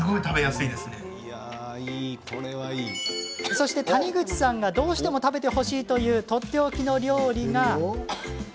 そして、谷口さんがどうしても食べてほしいというとっておきの料理が。